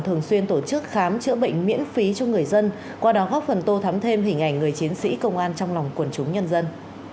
thường xuyên tổ chức khám chữa bệnh miễn phí cho người dân qua đó góp phần tô thắm thêm hình ảnh người chiến sĩ công an trong lòng quần chúng nhân dân